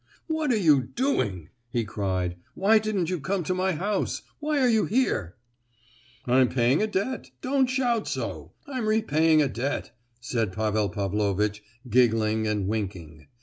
"What are you doing?" he cried. "Why didn't you come to my house? Why are you here?" "I'm paying a debt; don't shout so! I'm repaying a debt," said Pavel Pavlovitch, giggling and winking.